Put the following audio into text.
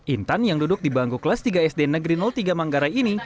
intan yang duduk di bangku kelas tiga sd negeri tiga manggarai ini